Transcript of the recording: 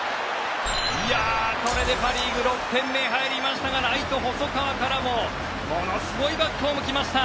パ・リーグ６点目が入りましたがライト、細川からもものすごいバックホームが来ました。